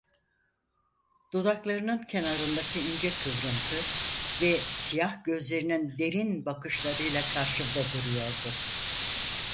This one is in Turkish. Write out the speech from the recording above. Dudaklarının kenarındaki ince kıvrıntı ve siyah gözlerinin derin bakışlarıyla karşımda duruyordu.